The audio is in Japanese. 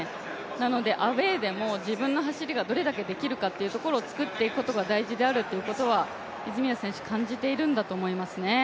なのでアウェーでも自分の走りがどれだけできるかということを作っていくことが、大事であるということは泉谷選手、感じているんだと思いますね。